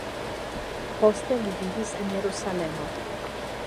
Poste li vivis en Jerusalemo.